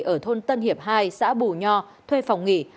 ở thôn tân hiệp hai xã bù nho thuê phòng nghỉ